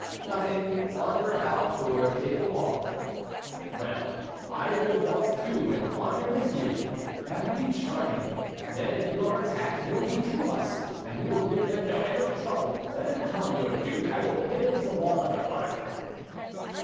"Nothing; wander about or take a walk." "Well, I will walk, too, and wander with you. That will be charming. Then, if you are attacked, there will be two of us, and we will give them no end of trouble. Let him come, your duke! I will pin him to the wall like a butterfly!"